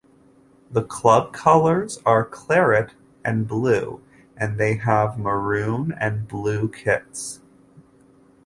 The club colours are claret and blue, and they have maroon and blue kits.